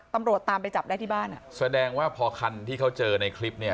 ตำรวจตามไปจับได้ที่บ้านอ่ะแสดงว่าพอคันที่เขาเจอในคลิปเนี่ย